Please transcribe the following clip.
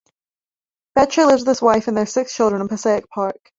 Becher lives with his wife and their six children in Passaic Park.